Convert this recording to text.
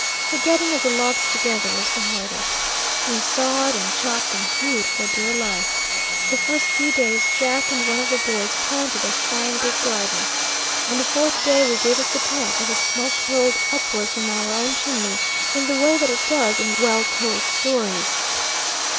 The getting of the logs together was the hardest. We sawed and chopped and hewed for dear life. The first few days Jack and one of the boys planted a fine big garden. On the fourth day we gave up the tent, as the smoke curled upward from our own chimney, in the way that it does in well told stories.